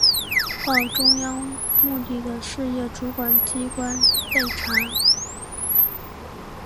报中央目的事业主管机关备查